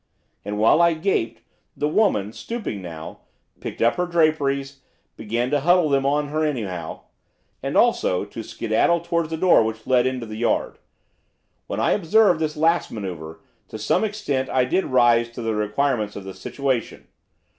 And, while I gaped, the woman, stooping down, picking up her draperies, began to huddle them on her anyhow, and, also, to skedaddle towards the door which led into the yard. When I observed this last manoeuvre, to some extent I did rise to the requirements of the situation.